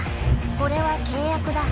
これは契約だ。